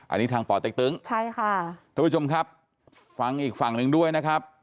อันนี้ทางป่อเต็กตึงใช่ค่ะทุกผู้ชมครับฟังอีกฝั่งหนึ่งด้วยนะครับ